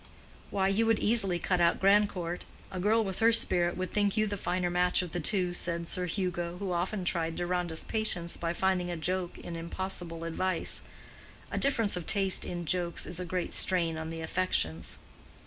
"Why, you would easily cut out Grandcourt. A girl with her spirit would think you the finer match of the two," said Sir Hugo, who often tried Deronda's patience by finding a joke in impossible advice. (A difference of taste in jokes is a great strain on the affections.)